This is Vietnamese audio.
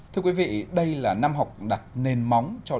thưa quý vị đây là năm học đặt nền móng cho